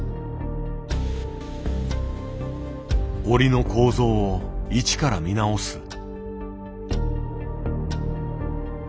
織りの構造を一から見直す。